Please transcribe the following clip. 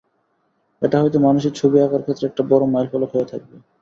এটা হয়তো মানুষের ছবি আঁকার ক্ষেত্রে একটা বড় মাইলফলক হয়ে থাকবে।